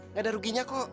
nggak ada ruginya kok